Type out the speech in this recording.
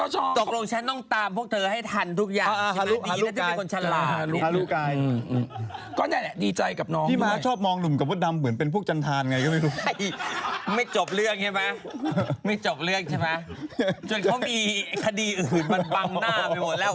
จนเขามีคดีอื่นมันบังหน้าไปหมดแล้ว